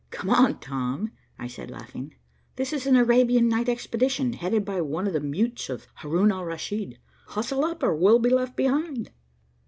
"Come on, Tom," I said laughing. "This is an Arabian Night Expedition headed by one of the mutes of Haroun Al Raschid. Hustle up, or we'll be left behind."